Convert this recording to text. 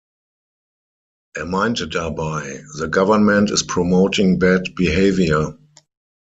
Er meinte dabei: „The government is promoting bad behaviour“.